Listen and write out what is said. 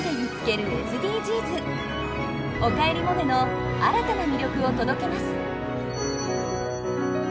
「おかえりモネ」の新たな魅力を届けます。